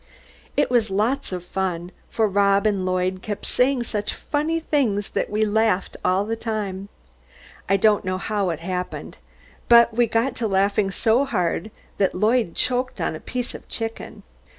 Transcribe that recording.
It was lots of fun, for Rob and Lloyd kept saying such funny things that we laughed all the time. I don't know how it happened, but we got to laughing so hard that Lloyd choked on a piece of chicken.